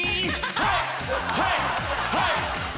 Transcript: はいはい！